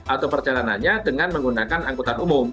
atau perjalanannya dengan menggunakan angkutan umum